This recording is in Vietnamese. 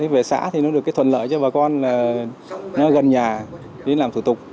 về xã thì nó được thuận lợi cho bà con gần nhà đi làm thủ tục